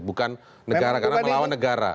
bukan negara karena melawan negara